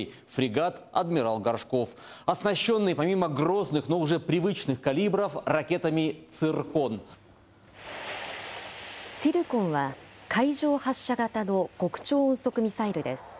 ツィルコンは、海上発射型の極超音速ミサイルです。